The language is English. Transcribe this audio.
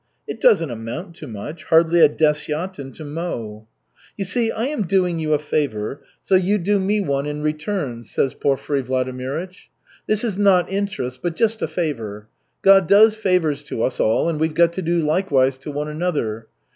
It doesn't amount to much, hardly a desyatin to mow. "You see, I am doing you a favor, so you do me one in turn," says Porfiry Vladimirych. "This is not interest, but just a favor. God does favors to us all, and we've got to do likewise to one another.